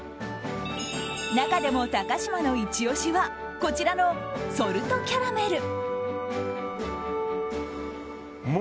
中でも高嶋のイチ押しはこちらのソルトキャラメル。